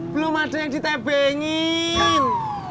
belum ada yang ditebengin